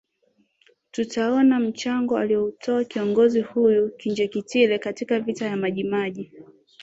tutaona mchango alioutoa kiongozi huyu kinjeketile katika vita ya maji maji